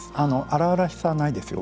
荒々しさはないですよ